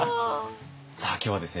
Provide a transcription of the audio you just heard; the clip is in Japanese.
さあ今日はですね